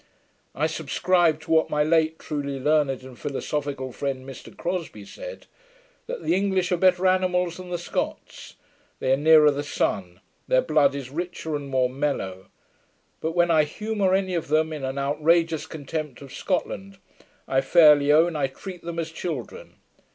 I subscribe to what my late truly learned and philosophical friend Mr Crosbie said, that the English are better animals than the Scots; they are nearer the sun; their blood is richer, and more mellow: but when I humour any of them in an outrageous contempt of Scotland, I fairly own I treat them as children.